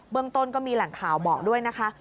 เรื่องต้นก็มีแหล่งข่าวบอกด้วยนะคะ